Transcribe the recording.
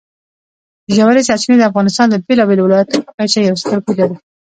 ژورې سرچینې د افغانستان د بېلابېلو ولایاتو په کچه یو څه توپیر لري.